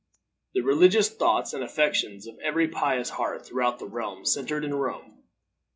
The religious thoughts and affections of every pious heart throughout the realm centered in Rome.